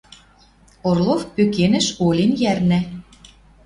Орлов пӧкенӹш олен йӓрнӓ